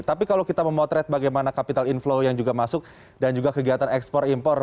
tapi kalau kita memotret bagaimana capital inflow yang juga masuk dan juga kegiatan ekspor impor